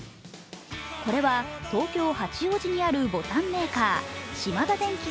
これは東京・八王子にあるボタンメーカー島田電機